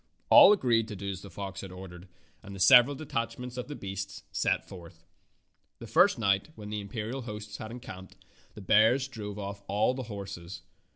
All agreed to do as the fox had ordered, and the several detachments of the beasts set forth. The first night, when the imperial host had encamped, the bears drove off all the horses.